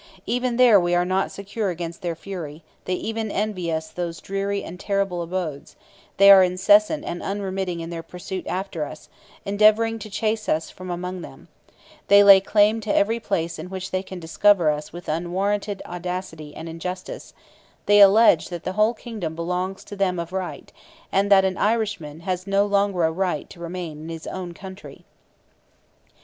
Even there we are not secure against their fury; they even envy us those dreary and terrible abodes; they are incessant and unremitting in their pursuit after us, endeavouring to chase us from among them; they lay claim to every place in which they can discover us with unwarranted audacity and injustice; they allege that the whole kingdom belongs to them of right, and that an Irishman has no longer a right to remain in his own country."